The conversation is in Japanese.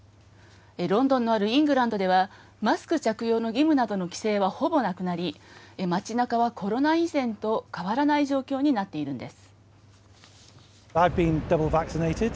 ロンドンのあるイングランドでは、マスク着用の義務などの規制はほぼなくなり、街なかはコロナ以前と変わらない状況になっているんです。